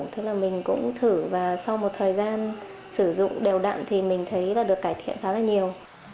tức là mình cũng thử và sau một thời gian sử dụng đều đặn thì mình thấy là được cải thiện khá là nhiều